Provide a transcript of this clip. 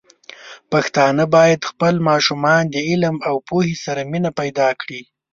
پښتانه بايد خپل ماشومان د علم او پوهې سره مینه پيدا کړي.